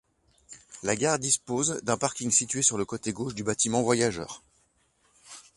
La gare dispose d'un parking situé sur le côté gauche du bâtiment voyageurs.